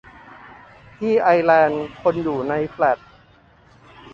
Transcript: ที่ไอร์แลนด์ คนอยู่ในแฟลต